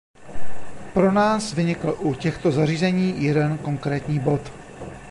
Pro nás vynikl u těchto zařízení jeden konkrétní bod.